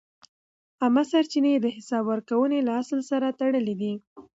عامه سرچینې د حساب ورکونې له اصل سره تړلې دي.